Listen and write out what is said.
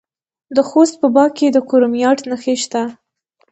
د خوست په باک کې د کرومایټ نښې شته.